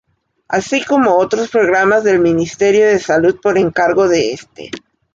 Así como otros programas del Ministerio de Salud, por encargo de este.